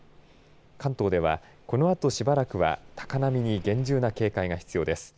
関東では、このあとしばらくは高波に厳重な警戒が必要です。